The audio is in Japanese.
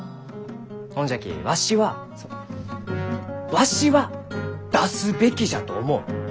ほんじゃきわしはそうわしは出すべきじゃと思う！